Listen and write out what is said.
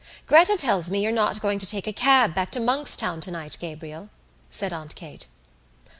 "Gretta tells me you're not going to take a cab back to Monkstown tonight, Gabriel," said Aunt Kate.